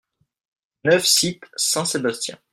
neuf cite Saint-Sébastien